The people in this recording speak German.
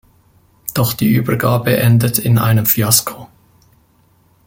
Doch die Übergabe endet in einem Fiasko.